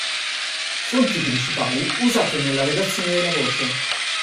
Fonti principali usate nella redazione della voce